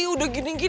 udah gini gini kety